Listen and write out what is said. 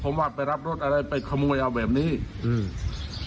ผมว่าไปรับรถอะไรไปขโมยเอาแบบนี้อืม